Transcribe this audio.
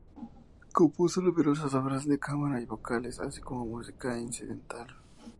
Compuso numerosas obras de cámara y vocales, así como música incidental.